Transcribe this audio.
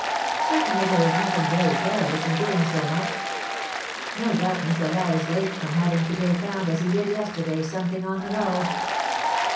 Certainly there is nothing very perilous in doing so much. No doubt Nicholas is late from having to day found, as he did yesterday, something on the road.